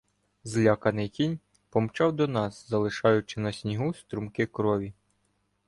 Зляканий кінь помчав до нас, залишаючи на снігу струмки крові.